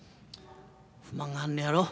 不満があんのやろ？